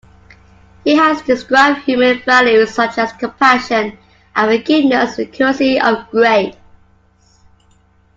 He has described human values such as compassion and forgiveness the "currency of grace".